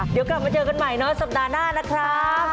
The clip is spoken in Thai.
เดี๋ยวกลับมาเจอกันใหม่เนาะสัปดาห์หน้านะครับ